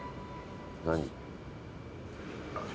何？